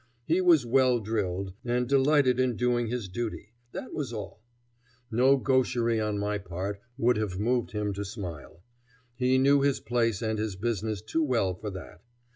He was well drilled, and delighted in doing his duty, that was all. No gaucherie on my part would have moved him to smile. He knew his place and his business too well for that.